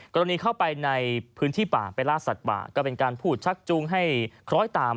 กรณีเข้าไปในพื้นที่ป่าไปล่าสัตว์ป่าก็เป็นการพูดชักจูงให้คล้อยตาม